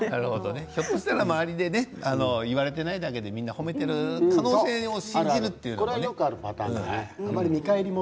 ひょっとしたら周りが言われていないだけで褒めている可能性もあると信じると。